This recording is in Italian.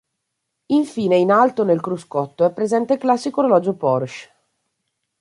Infine in alto nel cruscotto è presente il classico orologio Porsche.